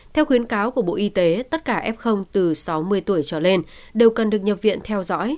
theo khuyến cáo của bộ y tế tất cả f từ sáu mươi tuổi trở lên đều cần được nhập viện theo dõi